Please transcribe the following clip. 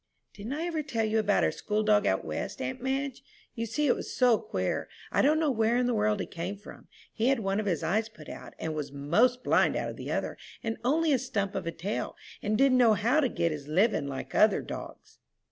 "Didn't I ever tell you about our school dog out West, aunt Madge? You see it was so queer. I don't know where in the world he came from. He had one of his eyes put out, and was 'most blind out of the other, and only a stump of a tail, and didn't know how to get his living like other dogs."